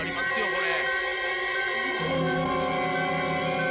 これ。